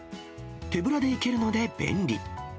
手ぶらで行けるので便利。